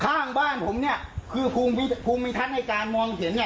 ข้างบ้านผมนี่คือภูมิทันในการมองเห็นนี่